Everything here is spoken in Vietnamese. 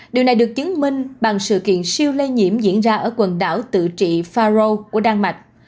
điều này được chứng minh bằng sự kiện siêu lây nhiễm diễn ra ở quần đảo tự trị pharo của đan mạch